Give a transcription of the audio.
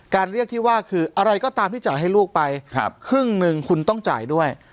เรียกที่ว่าคืออะไรก็ตามที่จ่ายให้ลูกไปครึ่งหนึ่งคุณต้องจ่ายด้วย